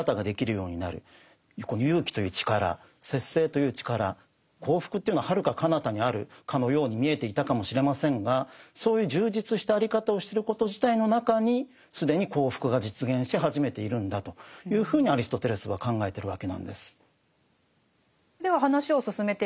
そうですね幸福というのははるかかなたにあるかのように見えていたかもしれませんがそういう充実したあり方をしてること自体の中に既に幸福が実現し始めているんだというふうにアリストテレスは考えてるわけなんです。